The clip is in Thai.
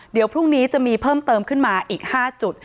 เดี๋ยวพรุ่งนี้จะมีเพิ่มเติมขึ้นมาอีก๕จุด